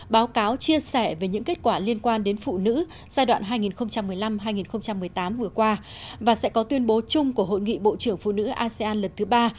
bà sẽ có tuyên bố chung của hội nghị bộ trưởng phụ nữ asean lần thứ ba